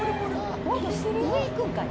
上いくんかい。